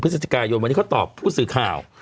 พฤศจิกายนวันนี้เขาตอบผู้สื่อข่าว